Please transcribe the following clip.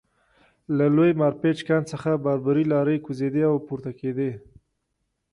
له لوی مارپیچ کان څخه باربري لارۍ کوزېدې او پورته کېدې